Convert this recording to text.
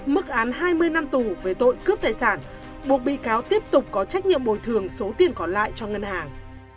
mức án hai mươi năm tù về tội cướp tài sản buộc bị cáo tiếp tục có trách nhiệm bồi thường số tiền còn lại cho ngân hàng